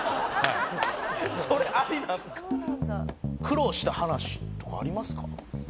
苦労した話とかありますか？